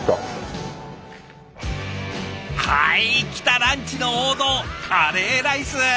はい来たランチの王道カレーライス。